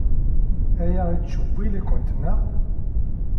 Aya yettcewwil-ikent, naɣ?